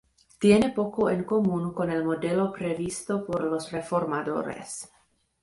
Tiene poco en común con el modelo previsto por los reformadores.